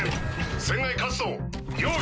船外活動用意。